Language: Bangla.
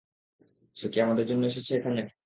সে কি আমাদের জন্য এসেছে এখানে?